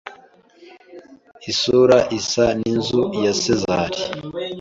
Isura isa n'inzu ya Sezari